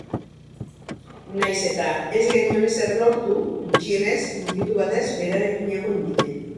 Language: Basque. Nahiz eta ez genuen ezer lortu, gutxienez minutu batez berarekin egon ginen.